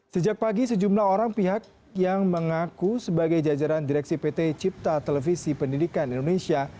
sejak pagi sejumlah orang pihak yang mengaku sebagai jajaran direksi pt cipta televisi pendidikan indonesia